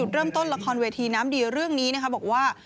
เริ่มต้นละครเวทีน้ำดีเรื่องนี้นะคะบอกว่า